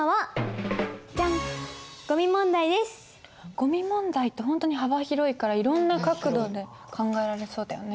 「ゴミ問題」ってほんとに幅広いからいろんな角度で考えられそうだよね。